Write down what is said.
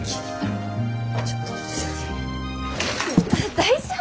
大丈夫？